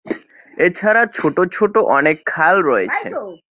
এছাড়া ছোট ছোট অনেক খাল রয়েছে।